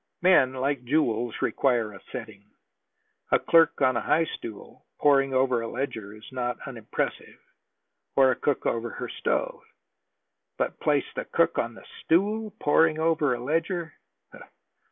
Men, like jewels, require a setting. A clerk on a high stool, poring over a ledger, is not unimpressive, or a cook over her stove. But place the cook on the stool, poring over the ledger!